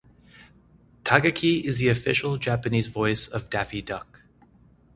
Takagi is the official Japanese voice of Daffy Duck.